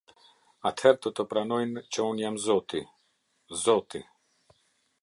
Atëherë do të pranojnë që unë jam Zoti, Zoti".